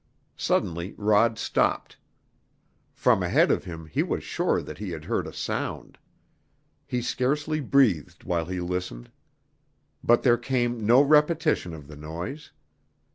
Suddenly Rod stopped. From ahead of him he was sure that he had heard a sound. He scarcely breathed while he listened. But there came no repetition of the noise.